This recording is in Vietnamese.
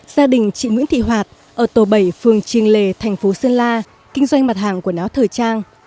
gia đình chị nguyễn thị hoạt ở tổ bảy phường triềng lề thành phố sơn la kinh doanh mặt hàng quần áo thời trang